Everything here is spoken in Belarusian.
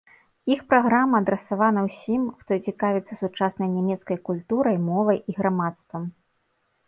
Іх праграма адрасавана ўсім, хто цікавіцца сучаснай нямецкай культурай, мовай і грамадствам.